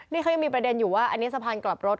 นี่เขายังมีประเด็นอยู่ว่าอันนี้สะพานกลับรถ